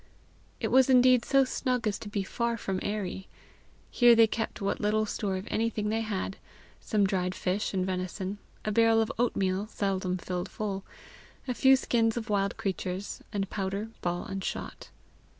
It was indeed so snug as to be far from airy. Here they kept what little store of anything they had some dried fish and venison; a barrel of oat meal, seldom filled full; a few skins of wild creatures, and powder, ball, and shot.